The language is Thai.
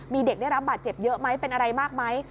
มีเด็กได้รับบาดเจ็บเยอะไหมเป็นอะไรมากไหม